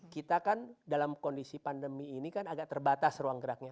kita kan dalam kondisi pandemi ini kan agak terbatas ruang geraknya